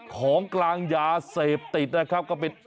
ของกลางยาเสพติดนะครับก็เป็น